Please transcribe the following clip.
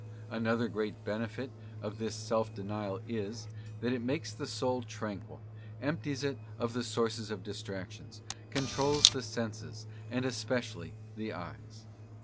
Another great benefit of this self denial is, that it makes the soul tranquil, empties it ofthe sources of distractions, controls the senses, and especially the eyes.